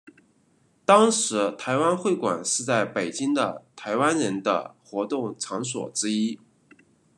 当时台湾会馆是在北京的台湾人的活动场所之一。